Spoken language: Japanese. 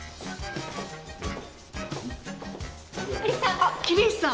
あっ桐石さん。